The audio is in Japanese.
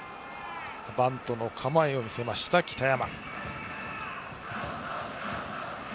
バントの構えを見せました北山。